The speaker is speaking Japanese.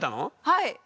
はい。